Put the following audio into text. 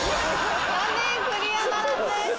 残念クリアならずです。